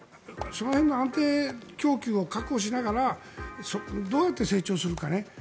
そこら辺の安定供給を確保しながらどうやって成長するかね。